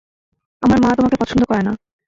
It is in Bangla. আমার মা তোমাকে পছন্দ করে না।